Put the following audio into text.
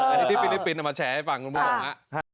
อันนี้ที่ฟิลิปปินส์เอามาแชร์ให้ฟังคุณผู้ชมฮะ